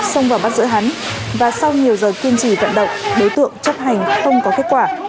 xông vào bắt giữ hắn và sau nhiều giờ kiên trì vận động đối tượng chấp hành không có kết quả